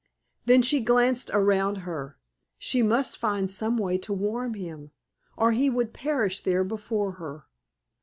Then she glanced around her; she must find some way to warm him, or he would perish there before her.